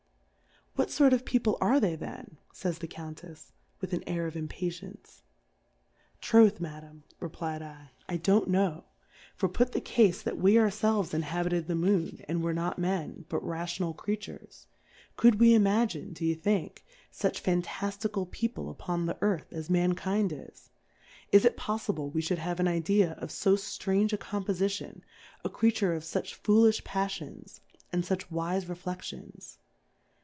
What fort of People are they then, fays the Cou/itefs^ with an Air of Im patience ? Troth, Madam, reflfd /, I don't know ; for put the Cafe that we our felves inhabited the Moon, and ^o Difcourfes on the and were not Men, but rational Crea tures ; could we' imagine, d'ye think, fuch fantaftical People upon the Earth, as Mankind is ? Is it poflible we fhould have an Idea of fo ftrange a Compofi tion, a Creature of fuch foolifli Paffions, and fuch wife Reflections?